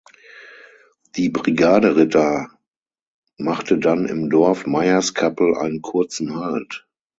Die Brigade Ritter machte dann im Dorf Meierskappel einen kurzen Halt.